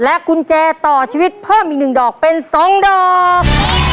และกุญแจต่อชีวิตเพิ่มอีกหนึ่งดอกเป็นสองดอก